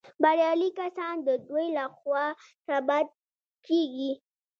بریالي کسان د دوی لخوا ثبت کیږي.